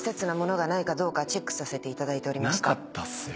なかったっすよ